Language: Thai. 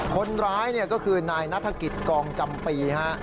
คนร้ายก็คือนายนัฐกิจกองจำปีฮะ